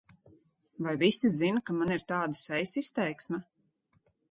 Vai visi zina, ka man ir tāda sejas izteiksme?